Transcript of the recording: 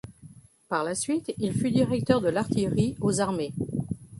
Par la suite, il fut directeur de l'artillerie aux armées.